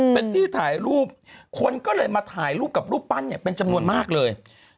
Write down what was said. เป็นที่ถ่ายรูปคนก็เลยมาถ่ายรูปกับรูปปั้นเนี่ยเป็นจำนวนมากเลย